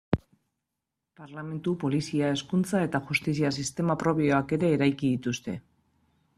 Parlementu, polizia, hezkuntza eta justizia sistema propioak ere eraiki dituzte.